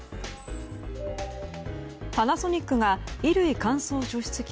パナソニックが衣類乾燥除湿器